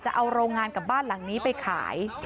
จะเอาโรงงานกับบ้านหลังนี้ไปขาย